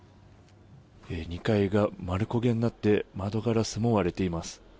２階が丸焦げになって窓ガラスも割れています。